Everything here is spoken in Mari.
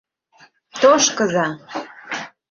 — Тошкыза!